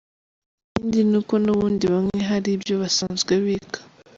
Ikindi n’uko n’ubundi bamwe hari ibyo basanzwe biga.